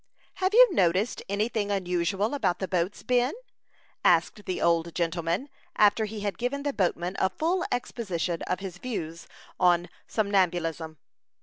"Have you noticed any thing unusual about the boats, Ben?" asked the old gentleman, after he had given the boatman a full exposition of his views on somnambulism.